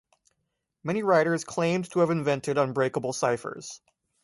Many writers claimed to have invented unbreakable ciphers.